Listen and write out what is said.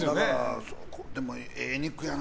でも、ええ肉やな。